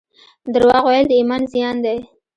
درواغ ویل د ایمان زیان دی